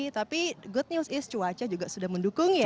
tapi good news is cuaca juga sudah mendukung ya